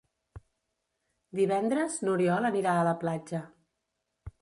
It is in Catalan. Divendres n'Oriol anirà a la platja.